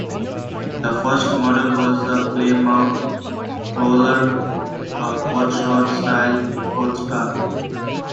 The first model was the Plymouth Prowler, a hot rod-styled sports car.